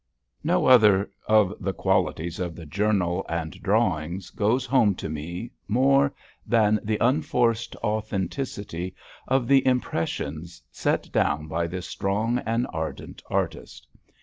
No other of the qualities of the journal and drawings goes home to me more than the unforced authenticity of the impression set down by this strong and ardent artist.